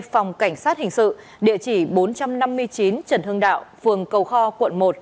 phòng cảnh sát hình sự địa chỉ bốn trăm năm mươi chín trần hưng đạo phường cầu kho quận một